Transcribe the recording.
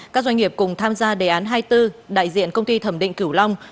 các doanh nghiệp cùng tham gia đề án hai mươi bốn đại diện công ty thẩm định cửu long